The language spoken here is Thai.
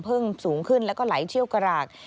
เพิ่งสูงขึ้นและไหลเชี่ยวกระหลาก